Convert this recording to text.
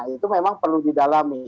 itu memang perlu didalami